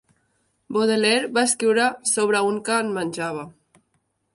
Baudelaire va escriure sobre un que en menjava.